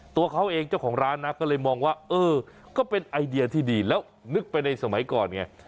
ตัวเขาเองเจ้าของร้านนะก็เลยมองว่าเออก็เป็นไอเดียที่ดีแล้วนึกไปในสมัยก่อนไง